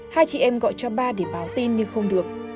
hai chị em gọi cho ba để báo tin nhưng không được